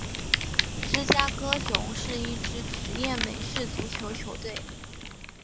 芝加哥熊是一支职业美式足球球队。